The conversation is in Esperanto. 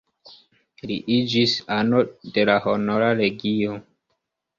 Li iĝis ano de la Honora Legio.